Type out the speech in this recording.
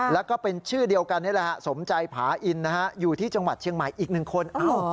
แล้วก็เป็นชื่อเดียวกันนี่แหละฮะสมใจผาอินนะฮะอยู่ที่จังหวัดเชียงใหม่อีกหนึ่งคน